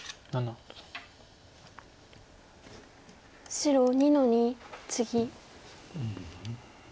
白２の二ツギ。